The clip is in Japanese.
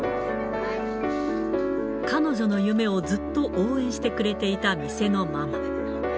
彼女の夢をずっと応援してくれていた、店のママ。